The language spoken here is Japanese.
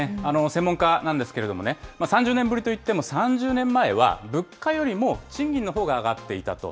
専門家なんですけれどもね、３０年ぶりといっても、３０年前は、物価よりも賃金のほうが上がっていたと。